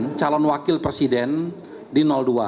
calon wakil presiden di dua